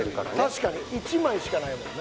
確かに１枚しかないもんね